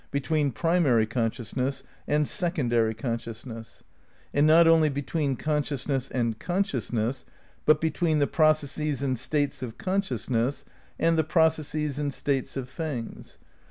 Between primary consciousness and secondary consciousness. And not only between consciousness and consciousness, but between the processes and states of consciousness and the processes and states of things.